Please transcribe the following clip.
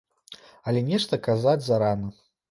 Але нешта казаць зарана.